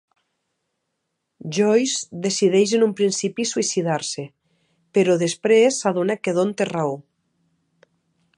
Joyce decideix en un principi suïcidar-se però després s'adona que Don té raó.